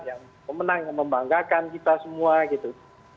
yang pemenang yang membanggakan kita semua gitu